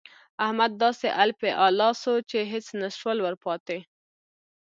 احمد داسې الپی الا سو چې هيڅ نه شول ورپاته.